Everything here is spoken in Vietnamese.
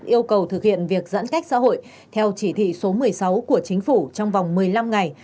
yêu cầu thực hiện việc giãn cách xã hội theo chỉ thị số một mươi sáu của chính phủ trong vòng một mươi năm ngày